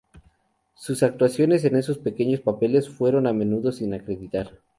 Sus actuaciones en esos pequeños papeles fueron a menudo sin acreditar.